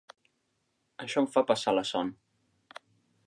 Això em fa passar la son.